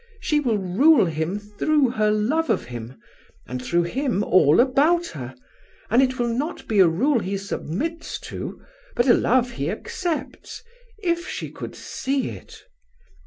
She will rule him through her love of him, and through him all about her. And it will not be a rule he submits to, but a love he accepts. If she could see it!"